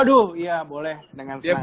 waduh iya boleh dengan senang hati